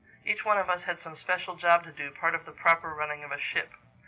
Each one of us had some special job to do, part of the proper running of a ship.